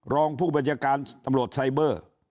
รองผู้บัญชาการตำรวจไซเบอร์